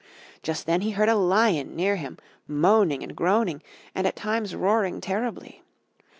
Just then he heard a lion near him moaning and groaning and at times roaring terribly.